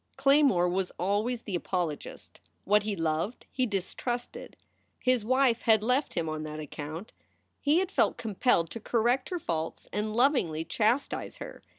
Claymore was always the apologist. What he loved he distrusted. His wife had left him on that account. He had felt compelled to correct her faults and lovingly chastise her.